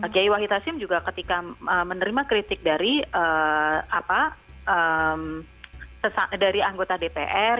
kiai wahid hashim juga ketika menerima kritik dari anggota dpr